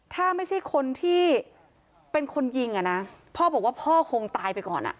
ถ้าไม่ใช่คนที่เป็นคนยิงอ่ะนะพ่อบอกว่าพ่อคงตายไปก่อนอ่ะ